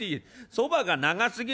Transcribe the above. そばが長すぎる。